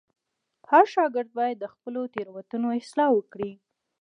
هر شاګرد باید د خپلو تېروتنو اصلاح وکړي.